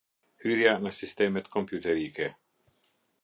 Hyrja në sistemet kompjuterike.